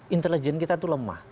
intelijen kita itu lemah